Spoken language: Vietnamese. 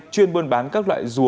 chuyên buôn bán các loại rùa